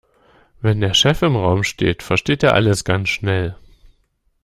Wenn der Chef im Raum steht, versteht er alles ganz schnell.